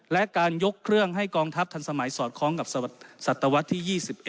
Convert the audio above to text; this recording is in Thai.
และการยกเครื่องให้กองทัพทันสมัยสอดคล้องกับศัตวรรษที่๒๑